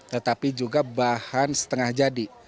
tetapi juga bahan setengah jadi